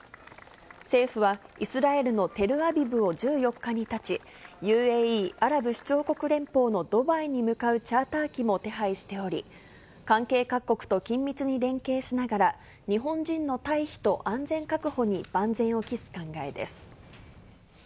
政府はイスラエルのテルアビブを１４日にたち、ＵＡＥ・アラブ首長国連邦のドバイに向かうチャーター機も手配しており、関係各国と緊密に連携しながら、日本人の退避と安全確保に万全を期す考えです。